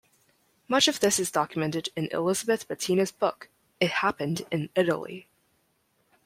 Much of this is documented in Elizabeth Bettina's book, "It Happened in Italy".